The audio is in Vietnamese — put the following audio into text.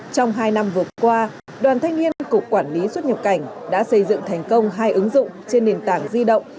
trong hai năm vừa qua đoàn thanh niên cục quản lý xuất nhập cảnh đã xây dựng thành công hai ứng dụng trên nền tảng di động